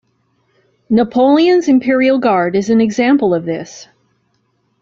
Napoleon's Imperial Guard is an example of this.